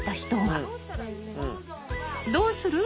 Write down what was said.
どうする？